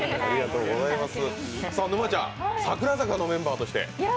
沼ちゃん、櫻坂のメンバーとして。